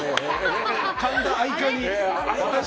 神田愛化に。